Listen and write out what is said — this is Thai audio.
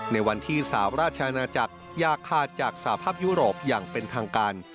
ในวันที่สาวราชอาณาจักรอย่าขาดจากสภาพยุโรปอย่างเป็นทางการ